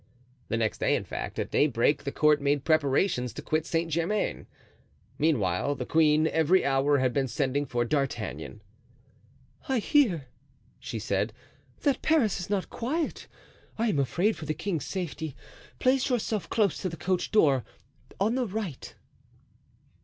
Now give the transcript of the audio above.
The next day, in fact, at daybreak, the court made preparations to quit Saint Germain. Meanwhile, the queen every hour had been sending for D'Artagnan. "I hear," she said, "that Paris is not quiet. I am afraid for the king's safety; place yourself close to the coach door on the right."